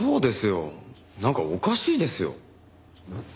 なんかおかしいですよ。